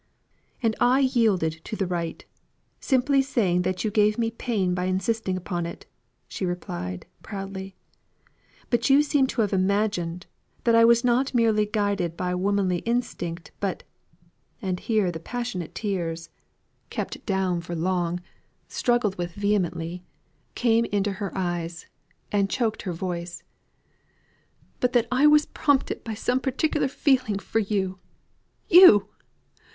"And I yielded to the right; simply saying that you gave me pain by insisting upon it," she replied, proudly. "But you seem to have imagined, that I was not merely guided by womanly instinct, but" and here the passionate tears (kept down for long struggled with vehemently) came up into her eyes and choked her voice "but that I was prompted by some particular feeling for you you!